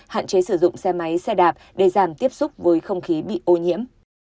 hạn chế sử dụng xe máy xe đạp để giảm tiếp xúc với không khí bị ô nhiễm